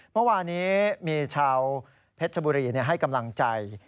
เมื่อวานี้มีชาวเพชรบุรีให้กำลังใจ